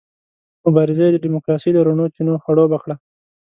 مبارزه یې د ډیموکراسۍ له رڼو چینو خړوبه کړه.